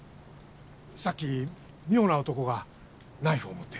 さっき妙な男がナイフを持って。